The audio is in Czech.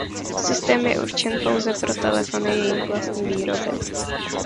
Systém je určen pouze pro telefony jejich vlastní výroby.